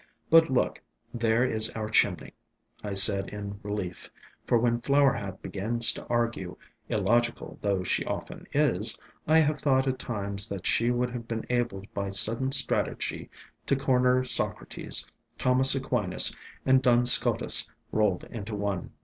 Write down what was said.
But look, there is our chimney," I said in relief, for when Flower Hat begins to argue, illogical though she often is, I have thought at times that she would have been able by sudden strategy to corner Socrates, Thomas Aquinas and Duns Scotus rolled into one.